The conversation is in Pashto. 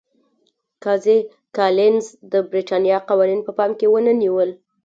قاضي کالینز د برېټانیا قوانین په پام کې ونه نیول.